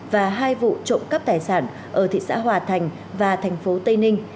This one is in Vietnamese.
và hai vụ trộm cắp tài sản ở thị xã hòa thành và thành phố tây ninh